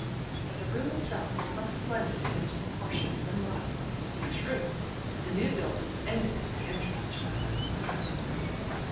But the room itself was less splendid in its proportions than mine. In truth, the new buildings ended at the entrance to my husband's dressing room.